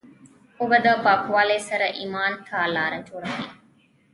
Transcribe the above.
اوبه د پاکوالي سره ایمان ته لاره جوړوي.